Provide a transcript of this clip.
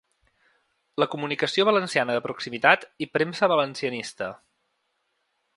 La comunicació valenciana de proximitat’ i ‘Premsa valencianista.